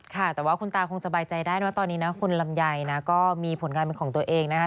ค่ะแต่ว่าคุณตาคงสบายใจได้นะตอนนี้นะคุณลำไยนะก็มีผลงานเป็นของตัวเองนะคะ